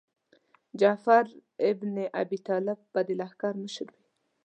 جعفر ابن ابي طالب به د لښکر مشر وي.